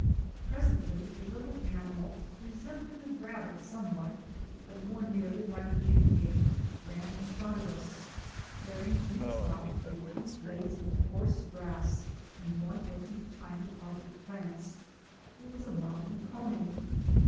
Presently a little animal resembling a rabbit somewhat, but more nearly like a guinea pig, ran in front of us, carrying in its mouth a few blades of coarse grass and one or two tiny Arctic plants. It was the mountain cony.